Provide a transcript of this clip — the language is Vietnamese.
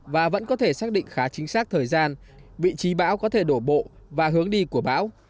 và vẫn có thể xác định khá chính xác thời gian vị trí bão có thể đổ bộ và hướng đi của bão